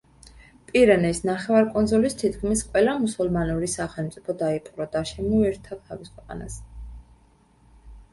პირენეს ნახევარკუნძულის თითქმის ყველა მუსულმანური სახელმწიფო დაიპყრო და შემოუერთა თავის ქვეყანას.